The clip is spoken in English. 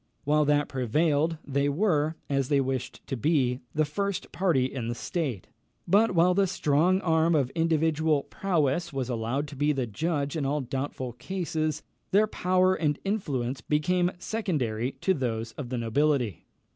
While that prevailed, they were, as they wished to be, the first party in the state; but while the strong arm of individual prowess was allowed to be the judge in all doubtful cases, their power and influence became secondary to those of the nobility.